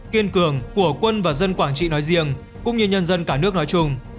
kiên cường của quân và dân quảng trị nói riêng cũng như nhân dân cả nước nói chung